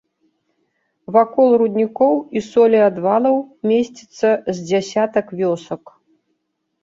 Вакол руднікоў і солеадвалаў месціцца з дзясятак вёсак.